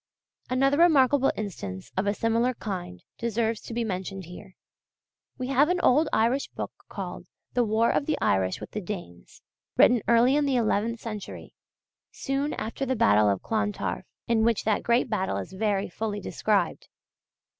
Another remarkable instance of a similar kind deserves to be mentioned here. We have an old Irish book called "The War of the Irish with the Danes," written early in the eleventh century, soon after the battle of Clontarf, in which that great battle is very fully described.